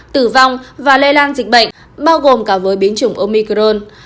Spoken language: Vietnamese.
tử vong và lây lan dịch bệnh bao gồm cả với biến chủng omicron